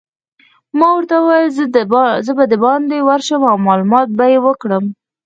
ما ورته وویل: زه به دباندې ورشم او معلومات به يې وکړم.